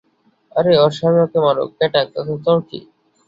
আরে ওর স্বামী ওকে মারুক, পেটাক, তাতে তোর কী?